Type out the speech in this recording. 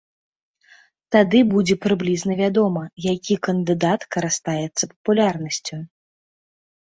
Тады будзе прыблізна вядома, які кандыдат карыстаецца папулярнасцю.